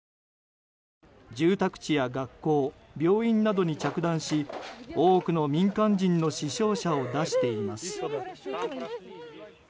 住宅地や学校病院などに着弾し多くの民間人の死傷者を出しています。